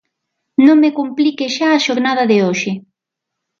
Non me complique xa a xornada de hoxe.